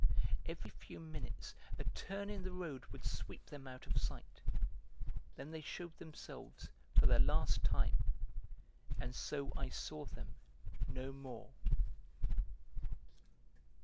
Every few minutes a turn in the road would sweep them out of sight; then they shewed themselves for the last time, and so I saw them no more.